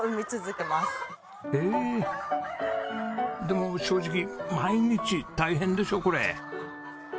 でも正直毎日大変でしょこれ。